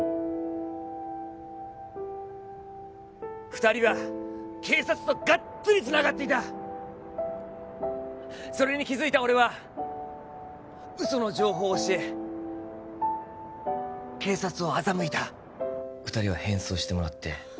二人は警察とガッツリつながっていたそれに気づいた俺は嘘の情報を教え警察を欺いた二人は変装してもらって